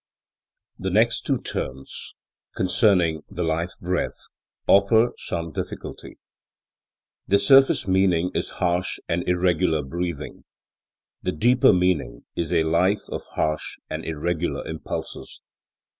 The next two terms, concerning the life breath, offer some difficulty. The surface meaning is harsh and irregular breathing; the deeper meaning is a life of harsh and irregular impulses.